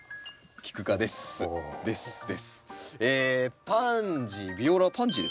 キク科ですね。